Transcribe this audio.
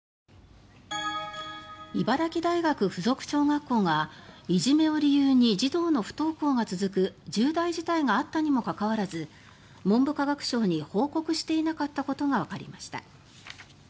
茨城大学附属小学校がいじめを理由に児童の不登校が続く重大事態があったにもかかわらず文部科学省に報告していなかったことがわかりました。